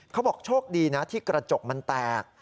เขาบอกโชคดีนะที่กระจกมันแตก